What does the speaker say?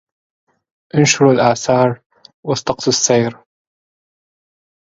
أنشروا الآثار واستقصوا السير